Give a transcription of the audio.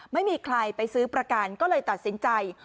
ไม่มีใครไปซื้อประกันก็เลยตัดสินใจ